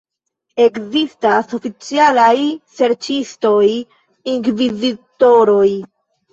Ekzistas oficialaj serĉistoj, inkvizitoroj.